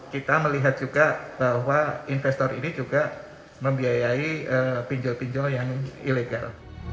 kita melihat juga bahwa investor ini juga membiayai pinjol pinjol yang ilegal